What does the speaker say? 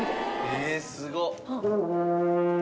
ええすごっ！